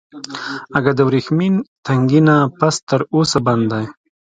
اگه د ورېښمين تنګي نه پس تر اوسه بند دی.